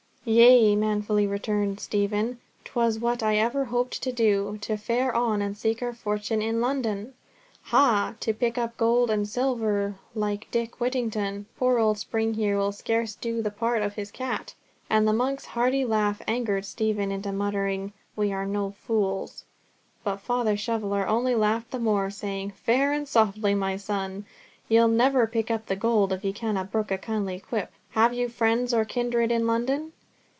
"Yea," manfully returned Stephen. "'Twas what I ever hoped to do, to fare on and seek our fortune in London." "Ha! To pick up gold and silver like Dick Whittington. Poor old Spring here will scarce do you the part of his cat," and the monk's hearty laugh angered Stephen into muttering, "We are no fools," but Father Shoveller only laughed the more, saying, "Fair and softly, my son, ye'll never pick up the gold if ye cannot brook a kindly quip. Have you friends or kindred in London?"